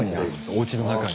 おうちの中に。